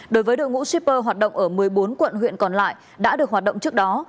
đối với đội ngũ shipper hoạt động ở một mươi bốn quận huyện còn lại đã được hoạt động trước đó